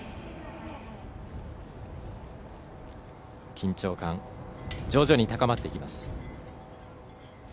緊張感、徐々に高まってきます。